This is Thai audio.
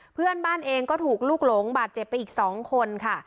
เพื่อนบ้านเองก็ถูกลูกหลงบาดเจ็บไปอีก๒คนค่ะ